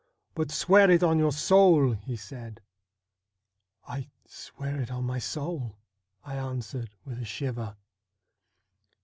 ' But swear it on your soul !' he said. ' I swear it on my soul,' I answered with a shiver.